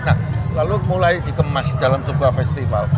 nah lalu mulai dikemas dalam sebuah festival